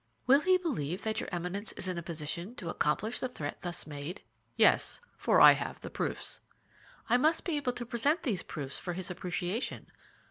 "Will he believe that your Eminence is in a position to accomplish the threat thus made?" "Yes; for I have the proofs." "I must be able to present these proofs for his appreciation."